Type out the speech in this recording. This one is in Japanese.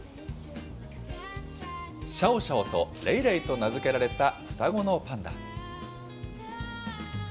シャオシャオとレイレイと名付けられた双子のパンダ。